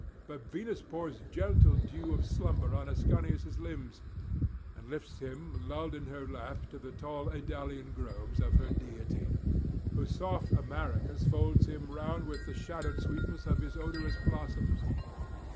But Venus pours gentle dew of slumber on Ascanius' limbs, and lifts him lulled in her lap to the tall Idalian groves of her deity, where soft amaracus folds him round with the shadowed sweetness of its odorous blossoms.